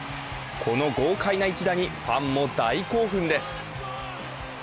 この豪快な一打にファンも大興奮です。